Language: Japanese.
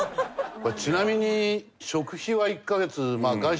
これちなみに食費は１カ月外食